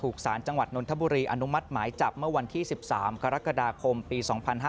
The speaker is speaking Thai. สารจังหวัดนนทบุรีอนุมัติหมายจับเมื่อวันที่๑๓กรกฎาคมปี๒๕๕๙